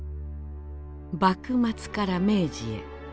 幕末から明治へ。